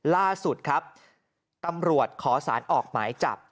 ล่าสุดครับตำรวจขอสารออกหมายจับ